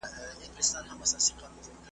خر هغه دی خو کته یې بدله ده `